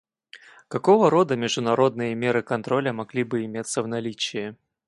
Какого рода международные меры контроля могли бы иметься в наличии?